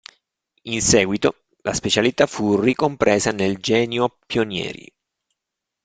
In seguito, la specialità fu ricompresa nel Genio pionieri.